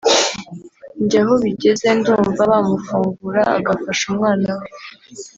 njye aho bigeze ndumva bamufungura agafasha umwana we